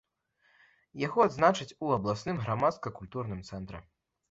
Яго адзначаць у абласным грамадска-культурным цэнтры.